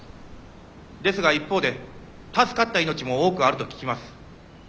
ですが一方で助かった命も多くあると聞きます。